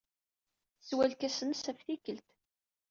Teswa lkas-nnes ɣef tikkelt.